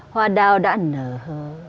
hoa đao đã nở